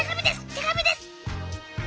手紙です！